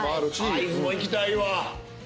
会津も行きたいわ。